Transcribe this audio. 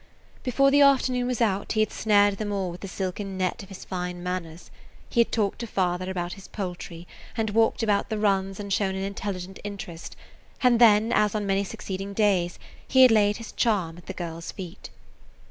Before the [Page 99] afternoon was out he had snared them all with the silken net of his fine manners; he had talked to father about his poultry and had walked about the runs and shown an intelligent interest, and then, as on many succeeding days, he had laid his charm at the girl's feet.